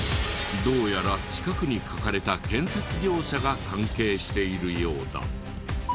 どうやら近くに書かれた建設業者が関係しているようだ。